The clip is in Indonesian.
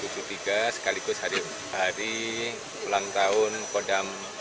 sekaligus hari ulang tahun kodam